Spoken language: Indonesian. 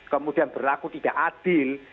kemudian berlaku tidak adil